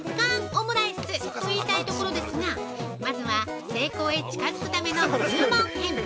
オムライス！と言いたいところですが、まずは、成功へ近づくための入門編！